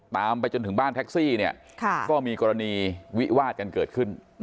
ไปจนถึงบ้านแท็กซี่เนี่ยก็มีกรณีวิวาดกันเกิดขึ้น